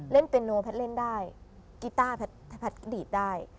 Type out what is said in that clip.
เล่นเป็นนัวแพทย์เล่นได้กีต้าแพทย์ดีดได้